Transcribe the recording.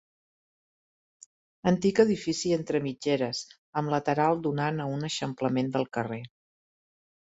Antic edifici entre mitgeres, amb lateral donant a un eixamplament del carrer.